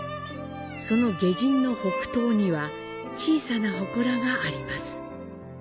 その外陣の北東には小さな祠があります。